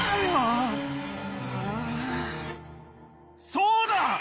そうだ！